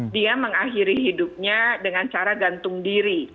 dia mengakhiri hidupnya dengan cara gantung diri